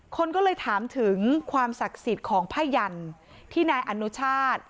คนก็เลยถามถึงความศักดิ์สิทธิ์ของพ่ายันที่นายอนุชาติ